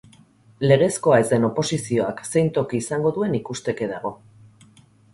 Legezkoa ez den oposizioak zein toki izango duen ikusteke dago.